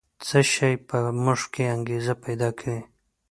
څه شی په موږ کې انګېزه پیدا کوي؟